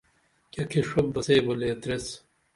کیہ کھشوپ بہ سئی بہ لیتریس